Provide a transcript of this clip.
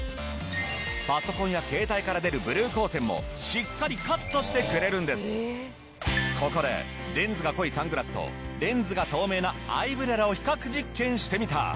パソコンや携帯から出るここでレンズが濃いサングラスとレンズが透明なアイブレラを比較実験してみた。